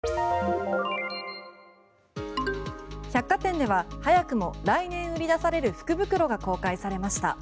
百貨店では早くも来年売り出される福袋が公開されました。